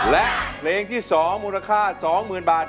และเพลงที่สองมูลค่าสองหมื่นบาท